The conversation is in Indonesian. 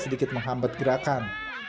sedikit menghampat gerakan